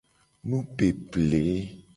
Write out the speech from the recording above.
Nupeple.